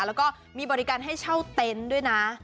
แล้วก็มีบริการให้เช่าเต็นต์ด้วยนะ